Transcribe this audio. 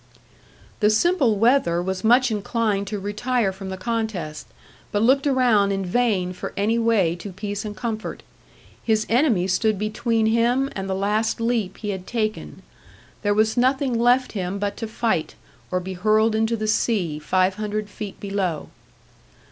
The simple wether was much inclined to retire from the contest, but looked around in vain for any way to peace and comfort. His enemy stood between him and the last leap he had taken; there was nothing left him but to fight, or be hurled into the sea, five hundred feet below.